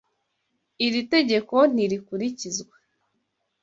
Iri tegeko ntirikurikizwa.